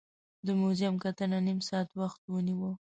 د موزیم کتنه نیم ساعت وخت ونیو.